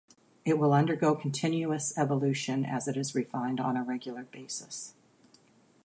It will undergo continuous evolution as it is refined on a regular basis.